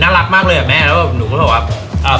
น่ารักมากเลยแบบหนูค่อยถามว่า